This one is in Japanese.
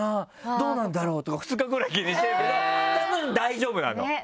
どうなんだろう？とか２日ぐらい気にしてるけどたぶん大丈夫なの。